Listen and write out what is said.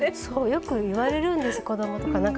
そうよく言われるんです子どもとか。